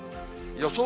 予想